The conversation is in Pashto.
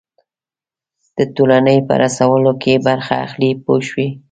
د ټولنې په رسولو کې برخه اخلي پوه شوې!.